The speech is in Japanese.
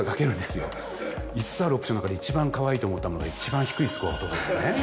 ５つあるオプションの中で一番かわいいと思ったものが一番低いスコアを取るんですね。